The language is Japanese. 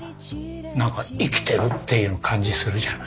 何か生きてるっていう感じするじゃない。